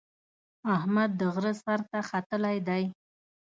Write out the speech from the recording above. اجمد د غره سر ته ختلی دی.